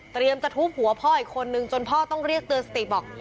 จะทุบหัวพ่ออีกคนนึงจนพ่อต้องเรียกเตือนสติบอก